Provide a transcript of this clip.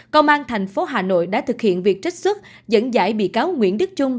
công an thành phố hà nội đã thực hiện việc trích xuất dẫn giải bị cáo nguyễn đức trung